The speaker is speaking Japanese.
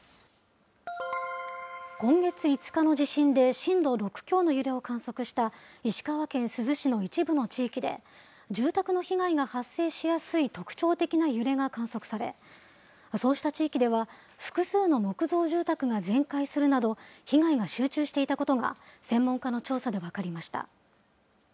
今月５日の地震で震度６強の揺れを観測した石川県珠洲市の一部の地域で、住宅の被害が発生しやすい特徴的な揺れが観測され、そうした地域では複数の木造住宅が全壊するなど、被害が集中していたことが、専門家の調査で分かりました。